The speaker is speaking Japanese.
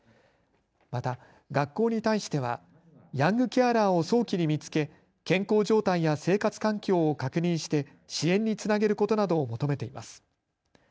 また、学校に対してはヤングケアラーを早期に見つけ健康状態や生活環境を確認して支援につなげることなどを求めています。